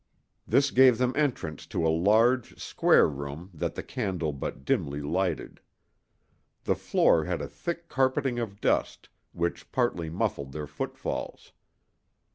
This gave them entrance to a large, square room that the candle but dimly lighted. The floor had a thick carpeting of dust, which partly muffled their footfalls.